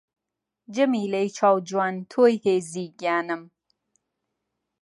جەمیلەی چاو جوان تۆی هێزی گیانم